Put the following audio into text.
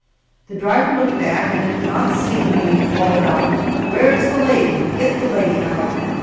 The driver looked back, and not seeing me, bawled out, "Where is the lady?" "Get the lady out!"